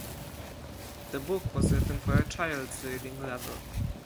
The book was written for a child's reading level.